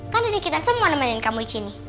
kan dari kita semua namanya kamu di sini